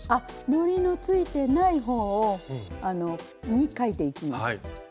のりのついてない方に描いていきます。